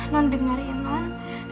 nont dengar ya nont